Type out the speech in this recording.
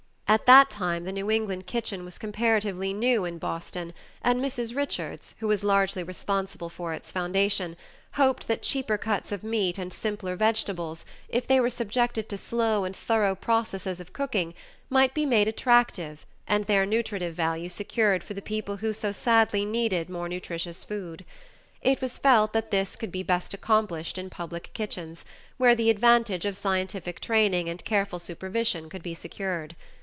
At that time the New England kitchen was comparatively new in Boston, and Mrs. Richards, who was largely responsible for its foundation, hoped that cheaper cuts of meat and simpler vegetables, if they were subjected to slow and thorough processes of cooking, might be made attractive and their nutritive value secured for the people who so sadly needed more nutritious food. It was felt that this could be best accomplished in public kitchens, where the advantage of scientific training and careful supervision could be secured.